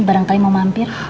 barangkali mau mampir